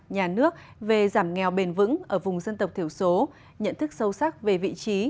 nhà nước về giảm nghèo bền vững ở vùng dân tộc thiểu số nhận thức sâu sắc về vị trí